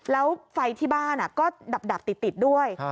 แล้วไฟที่บ้านก็ดับติดด้วย